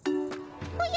おや？